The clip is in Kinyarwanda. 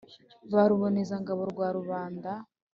ba ruboneza ngabo rwa rubanda